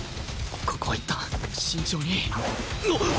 ここはいったん慎重に